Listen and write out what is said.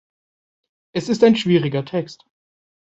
Es ist ein schwieriger Text.